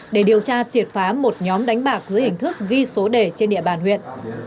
để điều tra triệt phá một nhóm đánh bạc dưới hình thức ghi số đề trên địa bàn huyện